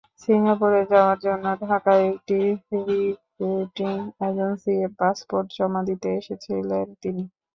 সিঙ্গাপুরে যাওয়ার জন্য ঢাকায় একটি রিক্রুটিং এজেন্সিতে পাসপোর্ট জমা দিতে এসেছিলেন তিনি।